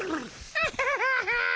アッハハハハ！